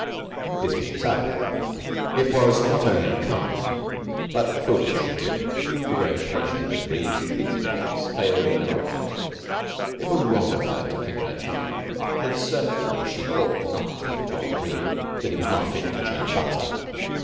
This being so, it was not only unkind but foolish of Billie to grow impatient as Bream's repeated efforts failed of their object. It was wrong of her to click her tongue, and certainly she ought not to have told Bream that he was not fit to churn butter.